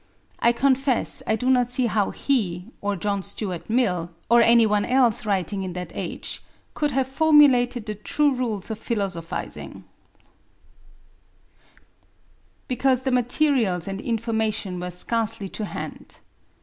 I confess I do not see how he, or John Stuart Mill, or any one else, writing in that age, could have formulated the true rules of philosophizing; because the materials and information were scarcely to hand.